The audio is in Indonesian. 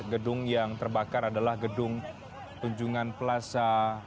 gedung yang terbakar adalah gedung tunjungan plaza